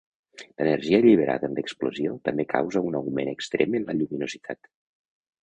L'energia alliberada en l'explosió també causa un augment extrem en la lluminositat.